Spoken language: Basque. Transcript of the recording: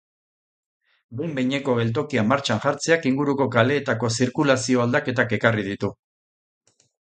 Behin-behineko geltokia martxan jartzeak inguruko kaleetako zirkulazio aldaketak ekarri ditu.